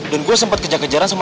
dan gue sempet kejar kejaran sama